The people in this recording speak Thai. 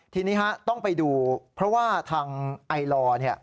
ทีนี้ต้องไปดูเพราะว่าทางไอลอร์